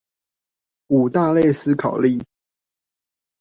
五大類思考力